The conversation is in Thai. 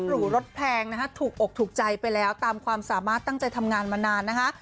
หรูรถแพงนะฮะถูกอกถูกใจไปแล้วตามความสามารถตั้งใจทำงานมานานนะคะ